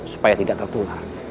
supaya tidak tertular